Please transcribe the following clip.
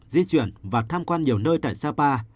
di chuyển và tham quan nhiều nơi tại sapa